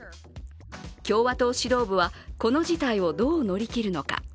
共和党指導部はこの事態をどう乗り切るのか。